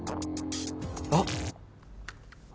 あっ！